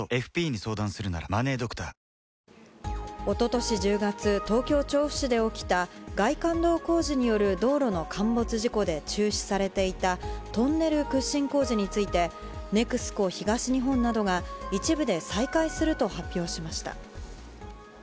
一昨年１０月東京・調布市で起きた外環道工事による道路の陥没事故で中止されていたトンネル掘進工事についてＮＥＸＣＯ東日本などが一部で再開すると発表しました。